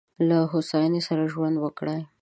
له هوساینې سره ژوند وکړئ.